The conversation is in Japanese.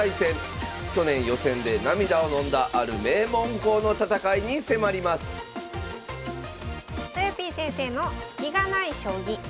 去年予選で涙をのんだある名門校の戦いに迫りますとよぴー先生の「スキがない将棋」。